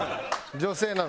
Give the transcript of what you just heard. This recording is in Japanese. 女性なの。